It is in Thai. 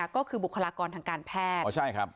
ก็คือบุคลากรทางการแพทย์